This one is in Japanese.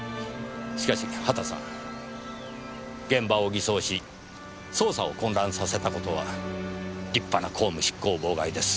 しかし畑さん現場を偽装し捜査を混乱させた事は立派な公務執行妨害です。